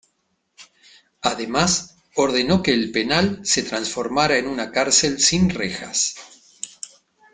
Además ordenó que el penal se transformara en una cárcel sin rejas.